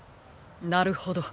なるほど。